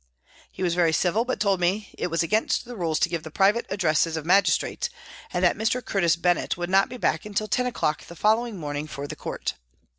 He was very civil, but told me it was against the rules to give the private addresses of magistrates and that Mr. Curtis Bennett would not be back until ten o'clock the following morning for the Court.